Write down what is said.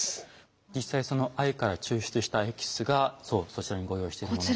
実際藍から抽出したエキスがそうそちらにご用意しているものです。